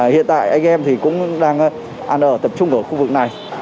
hiện tại anh em thì cũng đang ăn ở tập trung ở khu vực này